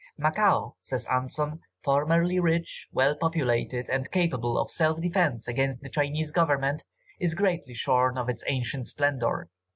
"Macao," says Anson, "formerly rich, well populated, and capable of self defence against the Chinese Government, is greatly shorn of its ancient splendour!